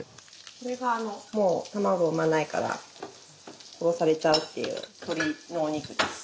これがもう卵を産まないから殺されちゃうっていう鶏のお肉です。